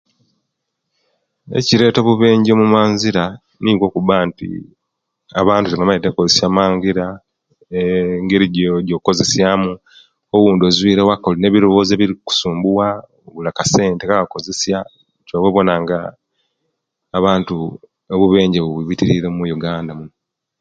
Ekireta obubenje omumagira mumazira nikwo okuba nti abantu tibamaite okoyesa amangira ee engeri ejokozesiya mu obundinovire owaika olina ebirobozo ebikusumbuwa obula kasente ka kozesiya keva obona nga abantu obubenje bubitirire ino omu Uganda